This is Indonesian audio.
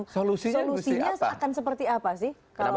solusinya akan seperti apa sih